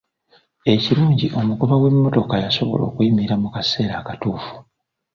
Ekirungi omugoba w'emmotoka yasobola okuyimirira mu kaseera akatuufu.